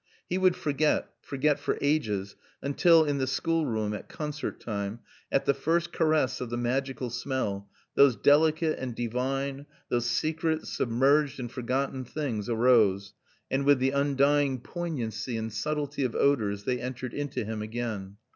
He would forget, forget for ages, until, in the schoolroom at concert time, at the first caress of the magical smell, those delicate and divine, those secret, submerged, and forgotten things arose, and with the undying poignancy and subtlety of odors they entered into him again.